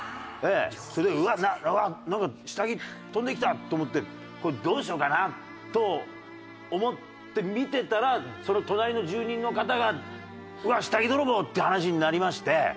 それでうわっあっなんか下着飛んできたと思ってこれどうしようかなと思って見てたらその隣の住人の方が「うわっ下着泥棒！」っていう話になりまして。